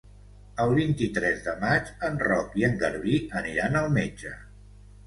El vint-i-tres de maig en Roc i en Garbí aniran al metge.